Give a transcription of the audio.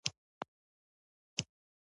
ښه کوه له تاسره به هم ښه کېږي دا یو اصل دی.